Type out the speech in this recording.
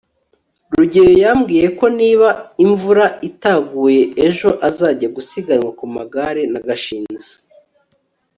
rugeyo yambwiye ko niba imvura itaguye ejo azajya gusiganwa ku magare na gashinzi